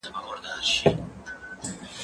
زه امادګي نه نيسم؟!